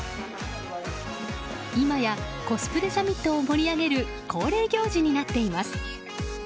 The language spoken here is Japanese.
今やコスプレサミットを盛り上げる恒例行事になっています。